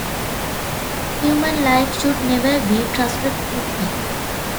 Human life should never be trusted to it.